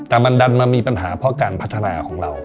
แต่มันดันมามีปัญหาเพราะการพัฒนาของเรา